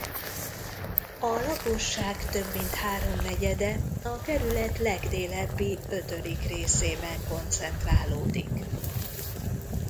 A lakosság több mint háromnegyede a kerület legdélebbi ötödik részében koncentrálódik.